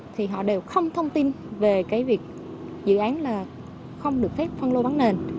thì họ đều không thông tin về cái việc dự án là không được phép phân lô bán nền